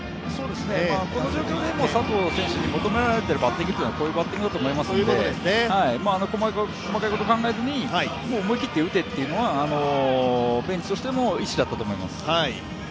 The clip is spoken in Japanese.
この状況で佐藤選手に求められているバッティングというのはこういうバッティングだと思いますので、細かいことを考えずに、思い切って打てというのはベンチとしても、意思だったと思います。